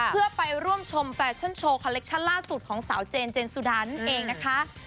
เพื่อไปร่วมชมแฟชั่นโชว์คอลเลคชั่นล่าสุดของสาวเจนเจนสุดานั่นเองนะคะ